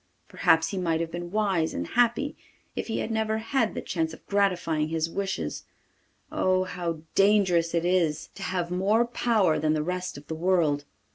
Perhaps he might have been wise and happy if he had never had the chance of gratifying his wishes! Oh! how dangerous it is to have more power than the rest of the world!